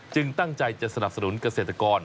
ตั้งใจจะสนับสนุนเกษตรกร